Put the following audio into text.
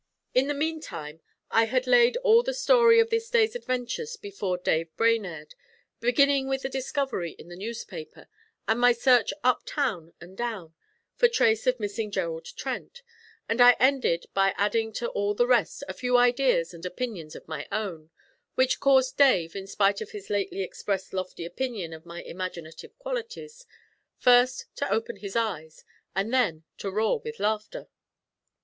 In the meantime I had laid all the story of this day's adventures before Dave Brainerd, beginning with the discovery in the newspaper, and my search up town and down for trace of missing Gerald Trent, and I ended by adding to all the rest a few ideas and opinions of my own, which caused Dave, in spite of his lately expressed lofty opinion of my imaginative qualities, first to open his eyes, and then to roar with laughter.